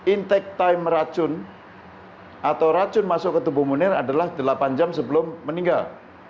intake time racun atau racun masuk ke tubuh munir adalah delapan jam sebelum meninggal